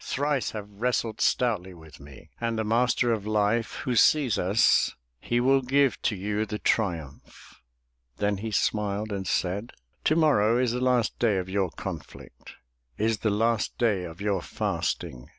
Thrice have wrestled stoutly with me. And the Master of Life, who sees us, He will give to you the triumph!'* Then he smiled, and said: *' To morrow Is the last day of your conflict. Is the last day of your fasting.